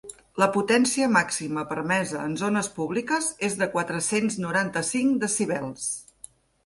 La potència màxima permesa en zones públiques és de quatre-cents noranta-cinc decibels.